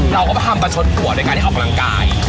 เราก็มาทำประชดหัวโดยการที่ออกกำลังกาย